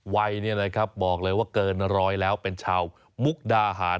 วัยบอกเลยว่าเกินร้อยแล้วเป็นชาวมุกดาหาร